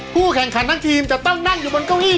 แข่งขันทั้งทีมจะต้องนั่งอยู่บนเก้าอี้